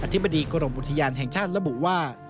ธิบดีกรมอุทยานแห่งชาติระบุว่า